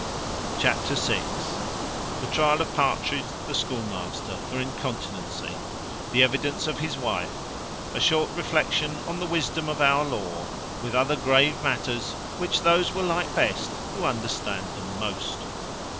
Chapter vi. The trial of Partridge, the schoolmaster, for incontinency; the evidence of his wife; a short reflection on the wisdom of our law; with other grave matters, which those will like best who understand them most.